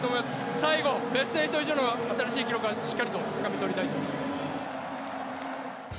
最後、ベスト８以上の新しい記録をしっかりとつかみ取りたいです。